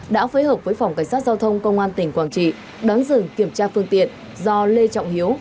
đã phối hợp với phòng cảnh sát giao thông công an tỉnh quảng trị đón dừng kiểm tra phương tiện do lê trọng hiếu